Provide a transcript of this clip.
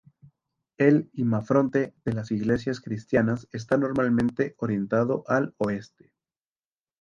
El imafronte de las iglesias cristianas está normalmente orientado al oeste.